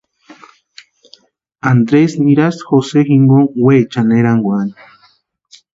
Andresi nirasti Jose jinkoni weechani erankwani.